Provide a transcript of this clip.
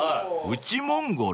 ［内モンゴル？］